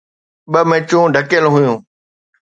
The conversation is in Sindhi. ٻه ميچون ڍڪيل هيون.